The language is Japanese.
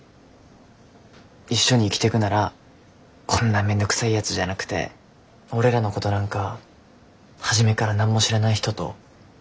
一緒に生きてくならこんな面倒くさいやつじゃなくて俺らのごどなんか初めから何も知らない人と。